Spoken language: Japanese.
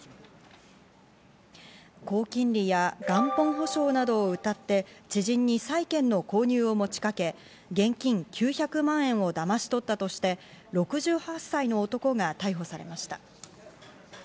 高金利や元本保証などをうたって知人に債券の購入を持ちかけ現金９００万円をだまし取ったとして６８歳の男が逮捕されました。